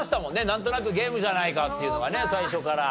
なんとなくゲームじゃないかっていうのはね最初から。